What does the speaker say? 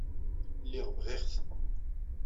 Lliɣ bɣiɣ-t.